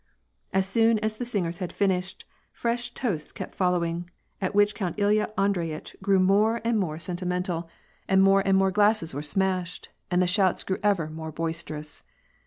As soon as the singers had finished,, fresh toasts kept fol lowing, at which Count Ilya Andreyiteh grew more and more 20 \^AR ANb PSACJS. sentimental, and more and more glasses were smashed, and the shouts grew ever more boisterous.